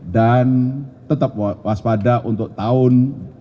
dan tetap waspada untuk tahun dua ribu dua puluh tiga